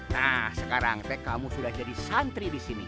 nah sekarang teh kamu sudah jadi santri di sini